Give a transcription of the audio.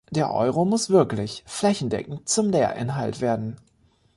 Der Euro muss wirklich flächendeckend zum Lehrinhalt werden.